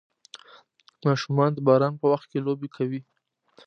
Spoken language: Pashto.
ماشومان د باران په وخت کې لوبې کوي.